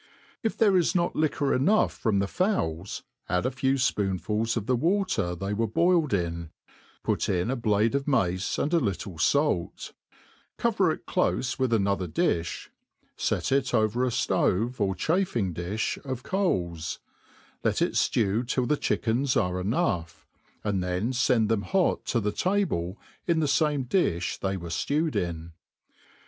If there is not liquor enough from the fowls, add a few fpoonfuls of the water cbey were boiled IP, put in a blade of mace, and a little (alt i cover it dofe with another difli ; fet it over a ftove, or chafing difh of coats ; let it ftew till the chickens are enough, and then fend tlicm hot to the table in the fame difli they were fie wed in.